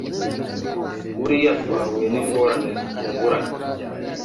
Buriya Twahuye ningorane zitunguranye.